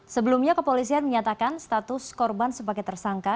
sebelumnya kepolisian menyatakan status korban sebagai tersangka